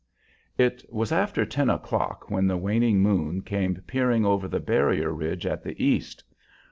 It was after ten o'clock when the waning moon came peering over the barrier ridge at the east.